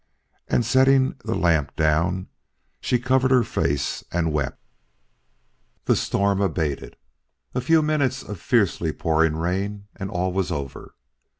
And setting the lamp down, she covered her face and wept. The storm abated; a few minutes of fiercely pouring rain, and all was over.